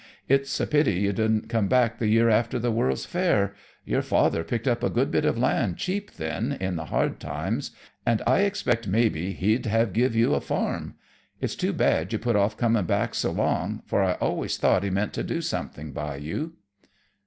It's a pity you didn't come back the year after the World's Fair. Your father picked up a good bit of land cheap then, in the hard times, and I expect maybe he'd have give you a farm. It's too bad you put off comin' back so long, for I always thought he meant to do something by you."